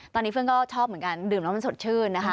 ตอนนี้เฟื่องก็ชอบเหมือนกันดื่มแล้วมันสดชื่นนะคะ